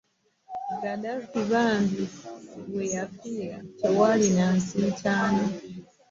Gaddafi bambi we yafiira tewaali na nsiitaano.